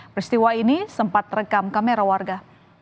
peristiwa ini sempat rekam kamera warga